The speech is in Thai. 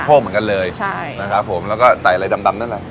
เหมือนกันเลยใช่นะครับผมแล้วก็ใส่อะไรดำดำนั่นแหละ